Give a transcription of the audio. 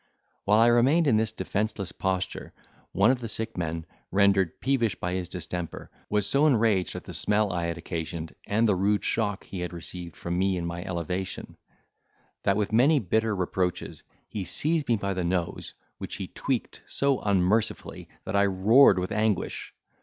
While I remained in this defenceless posture, one of the sick men, rendered peevish by his distemper, was so enraged at the smell I had occasioned and the rude shock he had received from me in my elevation, that, with many bitter reproaches, he seized me by the nose, which he tweaked so unmercifully, that I roared with anguish.